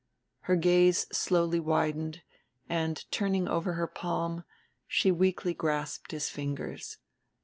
Her gaze slowly widened, and, turning over her palm, she weakly grasped his fingers.